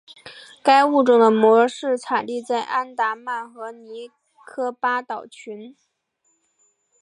该物种的模式产地在安达曼和尼科巴群岛。